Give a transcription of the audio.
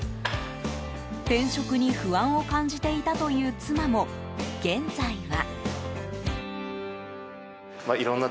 転職に不安を感じていたという妻も、現在は。